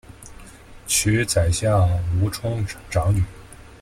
娶宰相吴充长女。